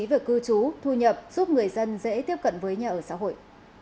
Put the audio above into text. về cư trú thu nhập giúp người dân dễ tiếp cận với nhà ở xã hội